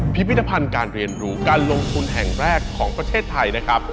พิพิธภัณฑ์การเรียนรู้การลงทุนแห่งแรกของประเทศไทยนะครับ